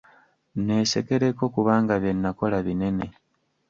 Nneesekereko kubanga bye nakola binene.